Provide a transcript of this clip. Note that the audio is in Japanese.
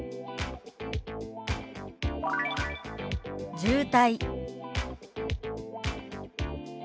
「渋滞」。